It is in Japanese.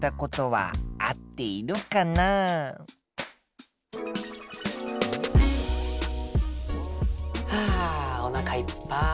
はあおなかいっぱい。